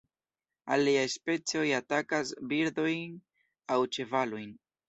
Aliaj specioj atakas birdojn aŭ ĉevalojn.